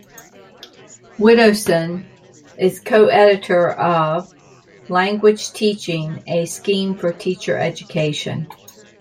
Widdowson is co-editor of "Language Teaching: A Scheme for Teacher Education".